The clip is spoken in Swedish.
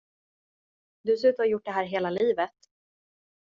Du ser ut att ha gjort det här hela livet.